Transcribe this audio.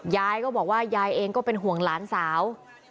ยายก็บอกว่ายายเองก็เป็นห่วงหลานสาว